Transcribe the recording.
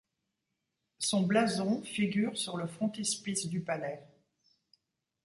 Son blason figure sur le frontispice du palais.